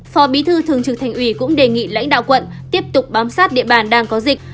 phó bí thư thường trực thành ủy cũng đề nghị lãnh đạo quận tiếp tục bám sát địa bàn đang có dịch